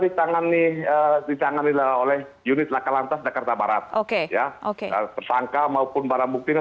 ditangani ditangani oleh unit lakalantas dekarta barat oke ya oke tersangka maupun barang buktinya